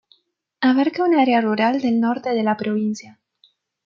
Abarca un área rural del norte de la provincia.